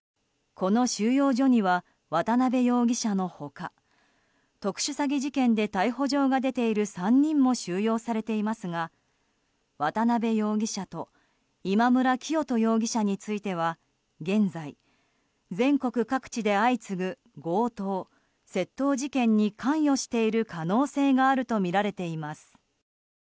この収容所には渡邉容疑者の他特殊詐欺事件で逮捕状が出ている３人も収容されていますが渡邉容疑者と今村磨人容疑者については現在、全国各地で相次ぐ強盗・窃盗事件に関与している可能性があるとみられています。